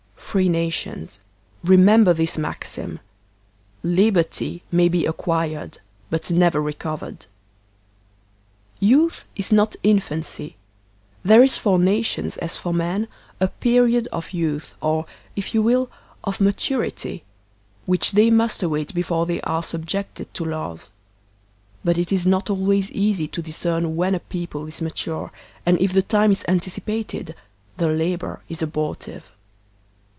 Free nations, remember this maxim: •Liberty may be ac quired but never recovered. • Youth is not infancy. There is for nations as for men a period of youth, or, if you will, of maturity, which THE PEOPLE 39 they must await before they are subjected to laws; but it is not always easy to discern when a people is matttre, and if the time is anticipated, the labor is abortive.